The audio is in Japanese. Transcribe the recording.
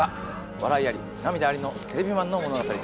笑いあり涙ありのテレビマンの物語です。